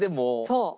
そう。